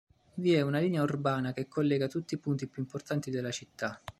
Vi è una linea urbana che collega tutti i punti più importanti della città.